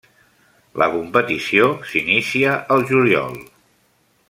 La competició s'inicia el juliol.